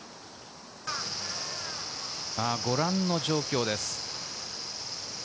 ご覧の状況です。